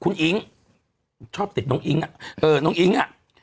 คุณอิ๊งชอบติดน้องอิ๊ง